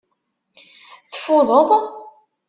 Tfudeḍ?